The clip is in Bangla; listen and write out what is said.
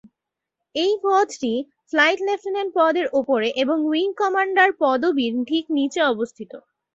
এই পদটি ফ্লাইট লেফট্যানেন্ট পদের ওপরে এবং উইং কমান্ডার পদবীর ঠিক নিচে অবস্থিত।